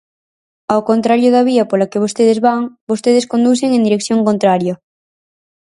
Ao contrario da vía pola que vostedes van; vostedes conducen en dirección contraria.